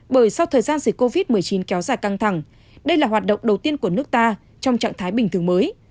bởi sau thời gian dịch covid một mươi chín kéo dài căng thẳng đây là hoạt động đầu tiên của nước ta trong trạng thái bình thường mới